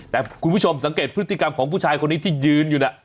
แต่คุณผู้ชมสังเกตพฤติกรรมของผู้ชายคนนี้ที่ยืนอยู่น่ะ